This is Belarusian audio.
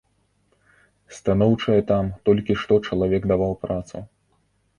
Станоўчае там, толькі што чалавек даваў працу.